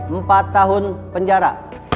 empat tahun penjara